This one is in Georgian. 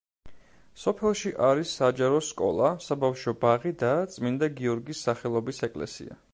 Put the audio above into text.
სოფელში არის საჯარო სკოლა, საბავშვო ბაღი და წმინდა გიორგის სახელობის ეკლესია.